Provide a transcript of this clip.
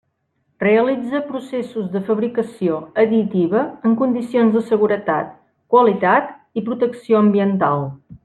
Realitza processos de fabricació additiva en condicions de seguretat, qualitat i protecció ambiental.